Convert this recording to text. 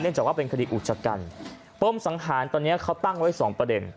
จากว่าเป็นคดีอุจจกรรมป้มสังหารตอนนี้เขาตั้งไว้สองประเด็น